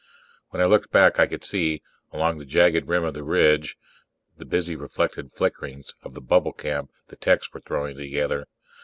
When I looked back, I could see, along the jagged rim of the ridge, the busy reflected flickerings of the bubble camp the techs were throwing together.